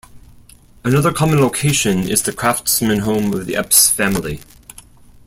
Another common location is the Craftsman home of the Eppes family.